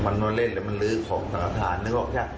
มันมาเล่นแล้วมันลื้อของต่างหาฐานนะครับ